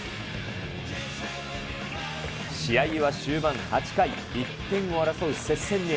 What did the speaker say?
試合は終盤８回、１点を争う接戦に。